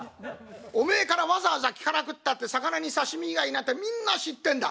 お前からわざわざ聞かなくったって肴に刺身がいいなんてみんな知ってんだ。